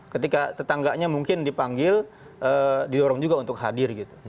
ketika tetangganya mungkin dipanggil didorong juga untuk hadir gitu